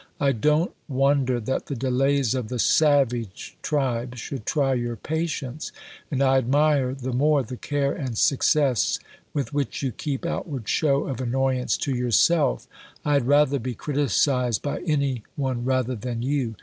I don't wonder that the delays of the "savage tribe" should try your patience; and I admire the more the care and success with which you keep outward show of annoyance to yourself. I had rather be criticised by any one rather than you!